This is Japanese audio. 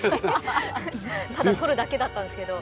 ただ撮るだけだったんですけど。